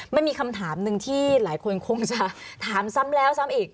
มันมีคำถามหนึ่งที่หลายคนคงจะถามซ้ำแล้วซ้ำอีก